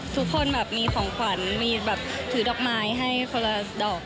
ทุกคนแบบมีของขวัญมีแบบถือดอกไม้ให้คนละดอก